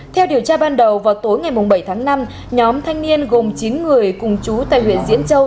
theo điều tra ban đầu vào tối ngày bảy tháng năm nhóm thanh niên gồm chín người cùng chú tại huyện diễn châu